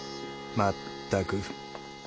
まったく。